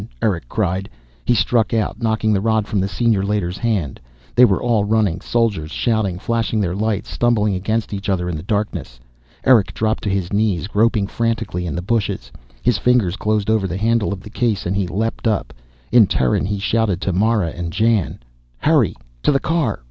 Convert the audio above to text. Erick cried. He struck out, knocking the rod from the Senior Leiter's hand. They were all running, soldiers shouting, flashing their lights, stumbling against each other in the darkness. Erick dropped to his knees, groping frantically in the bushes. His fingers closed over the handle of the case and he leaped up. In Terran he shouted to Mara and Jan. "Hurry! To the car!